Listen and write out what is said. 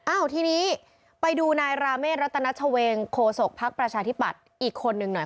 อ้าวทีนี้ไปดูนายราเมฆรัตนชเวงโคศกภักดิ์ประชาธิปัตย์อีกคนนึงหน่อย